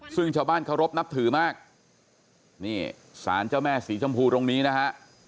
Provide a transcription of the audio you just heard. ซึ่งชาวบ้านเคารพนับถือมากนี่สารเจ้าแม่สีชมพูตรงนี้นะฮะ